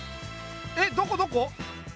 えっどこどこ？